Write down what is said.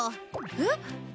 えっ？